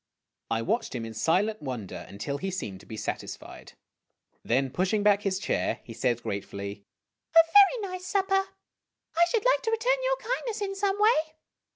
I watched him in silent wonder until he seemed to be satisfied. Then, pushing back his chair, he said gratefully :" A very nice supper ! I should like to return your kindness in someway.